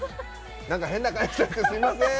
何か変な感じになってすいません。